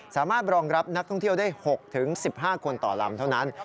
สามารถรองรับนักท่องเที่ยวได้๖๑๕คนต่อลำเท่านั้น